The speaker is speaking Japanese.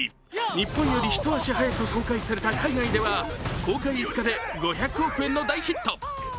日本より一足早く公開された海外では公開５日で５００億円の大ヒット。